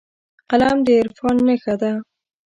قلم د عرفان نښه ده